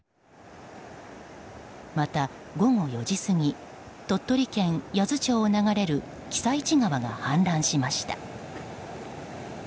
また午後４時過ぎ鳥取県八頭町を流れる私都川が氾濫しました。